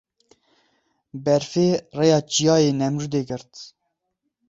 Berfê rêya Çiyayê Nemrûdê girt.